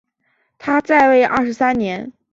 他在位二十三年。